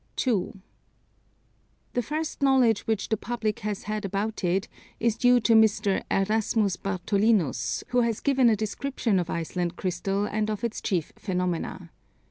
2. The first knowledge which the public has had about it is due to Mr. Erasmus Bartholinus, who has given a description of Iceland Crystal and of its chief phenomena.